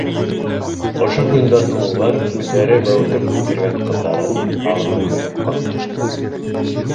Ошо көндән һуң улар үҙҙәре бәүетеп үҫтергән ҡыҙҙарын һағынып бойоҡҡан.